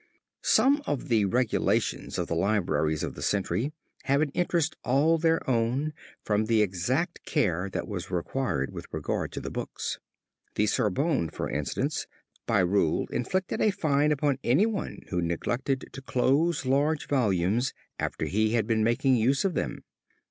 ] Some of the regulations of the libraries of the century have an interest all their own from the exact care that was required with regard to the books. The Sorbonne for instance by rule inflicted a fine upon anyone who neglected to close large volumes after he had been making use of them.